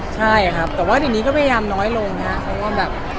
ใช่ครับแต่ว่าอันนี้ก็พยายามน้อยลงครับ